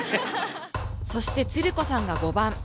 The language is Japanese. そしてつる子さんが５番。